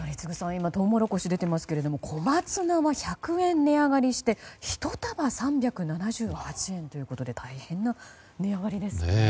今、トウモロコシが出ていますが小松菜が１００円値上がりして１束３７８円ということで大変な値上がりですね。